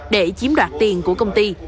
để chiếm đoạt tiền của công ty